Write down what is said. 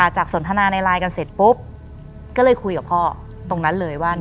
สนทนาในไลน์กันเสร็จปุ๊บก็เลยคุยกับพ่อตรงนั้นเลยว่า